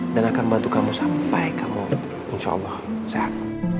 dan akan membantu kamu sampai kamu insya allah sehat